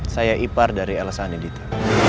saya ipar dari al sanidita